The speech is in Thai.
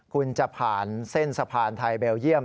คุณจะผ่านเส้นสะพานไทยเบลเยี่ยม